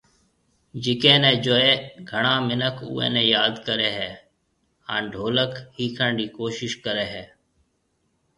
جڪي ني جوئي گھڻا منک اوئي ني ياد ڪري ھيَََ ھان ڍولڪ ۿيکڻ رِي ڪوشش ڪري ھيَََ